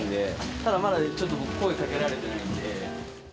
ただ、まだちょっと声かけられてないんで。